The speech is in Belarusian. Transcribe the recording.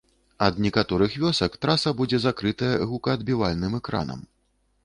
Ад некаторых вёсак траса будзе закрытая гукаадбівальным экранам.